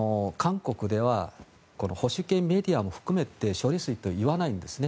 処理水に関して韓国では保守系メディアも含めて処理水と言わないんですね。